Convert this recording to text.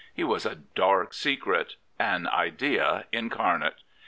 He was a dark secret — an idea in carnate.